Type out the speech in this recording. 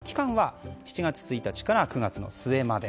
期間は７月１日から９月の末まで。